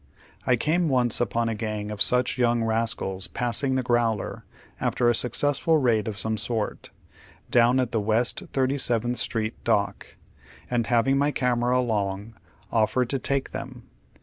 I came once upon a gang of such young rascals passing the growler after a successful raid of some sort, down at the West Thirty seventh Street dock, and, having my camera along, offered to "take" them.